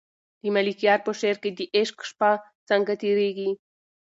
د ملکیار په شعر کې د عشق شپه څنګه تېرېږي؟